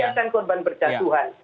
jangan biarkan korban berjaduhan